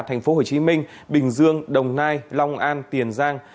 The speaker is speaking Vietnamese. thành phố hồ chí minh bình dương đồng nai long an tiền giang